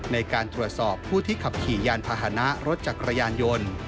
ในการตรวจสอบผู้ที่ขับขี่ยานพาหนะรถจักรยานยนต์